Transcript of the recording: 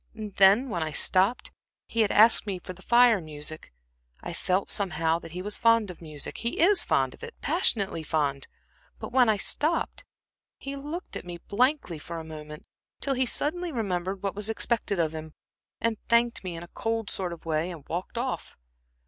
And then, when I stopped he had asked me for the Fire music I felt, somehow, that he was fond of music he is fond of it, passionately fond but when I stopped, he looked at me blankly for a moment, till he suddenly remembered what was expected of him, and thanked me in a cold sort of way and walked off.